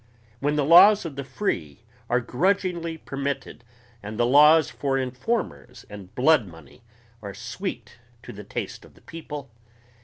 when the laws of the free are grudgingly permitted and the laws for informers and bloodmoney are sweet to the taste of the people